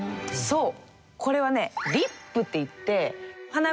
そう！